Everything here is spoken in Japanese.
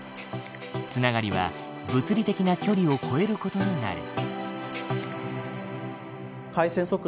繋がりは物理的な距離を超えることになる。